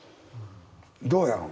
どうやろ？